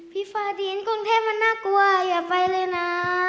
พีฟาดีนเกรงเทศมันหน้ากลัวอย่าไปเลยนะ